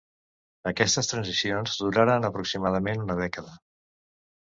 Aquestes transicions duraren aproximadament una dècada.